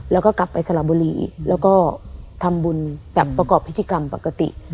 แล้วก็กลับไปสระบุรีแล้วก็ทำบุญแบบประกอบพิธีกรรมปกติ